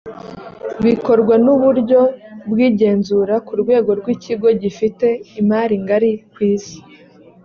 bikorwa nuburyo bwigenzura ku rwego rwikigo gifite imaringari kwisi.